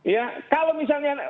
ya kalau misalnya